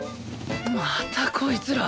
またこいつら。